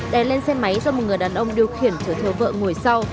đè lên xe máy do một người đàn ông điều khiển chở theo vợ ngồi sau